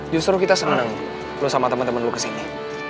justru kita seneng lo sama temen temen lo kesini